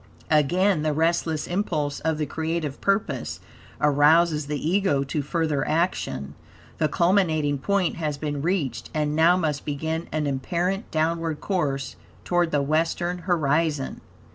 Again the restless impulse of the creative purpose arouses the Ego to further action. The culminating point has been reached, and now must begin an apparent downward course toward the western horizon.